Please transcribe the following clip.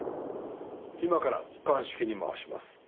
今から鑑識に回します。